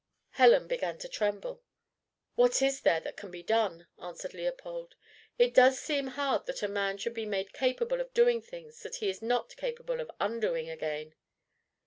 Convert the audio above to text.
Helen began to tremble. "What is there that can be done?" answered Leopold. "It does seem hard that a man should be made capable of doing things that he is not made capable of undoing again."